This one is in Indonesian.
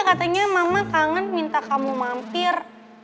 katanya mama kangen minta kamu mampir